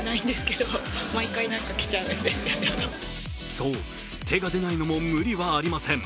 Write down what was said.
そう、手が出ないのも無理はありません。